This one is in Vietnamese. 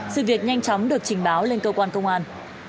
sự việc nhanh chóng được trình báo lên cơ quan công an